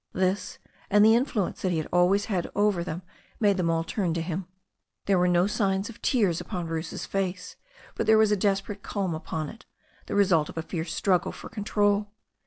This and the influence that he had always had over them made them all turn to him. There were no signs of tears upon Bruce's face, but there was a desperate calm upon it, the result of a fierce struggle for control.